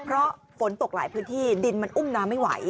เพราะฝนตกหลายพื้นที่ดินมันอุ้มน้ำไม่ไหว